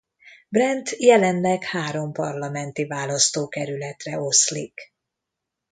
Brent jelenleg három parlamenti választókerületre oszlik.